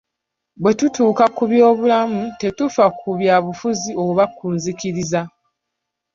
Bwe kituuka ku by'obulamu tetufa ku byabufuzi oba ku nzikiriza.